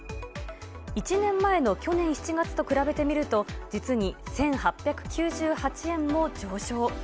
１年前の去年７月と比べてみると、実に１８９８円も上昇。